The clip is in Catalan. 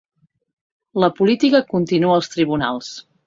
La política continua als tribunals.